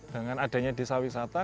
dengan adanya desa wisata